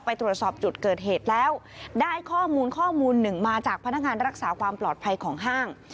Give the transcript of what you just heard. ไปตรวจสอบจุดเกิดเหตุแล้วได้ข้อมูลข้อมูลหนึ่งมาจากพนักงานรักษาความปลอดภัยของห้าง